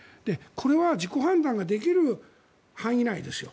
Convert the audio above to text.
これは自己判断ができる範囲内ですよ。